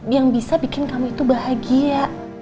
yang bisa bikin kamu itu bahagia